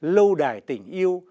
lâu đài tình yêu